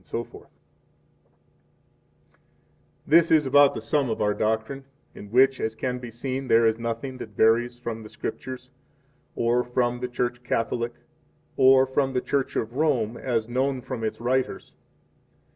5 This is about the Sum of our Doctrine, in which, as can be seen, there is nothing that varies from the Scriptures, or from the Church Catholic, or from the Church of Rome as known from its writers.